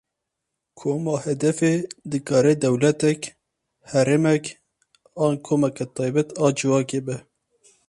Koma hedefê dikare dewletek, herêmek an komeke taybet a civakê be.